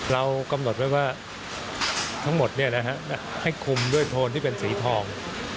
เรากำหนดไว้ว่าทั้งหมดให้คุมด้วยโทนที่เป็นสีทอง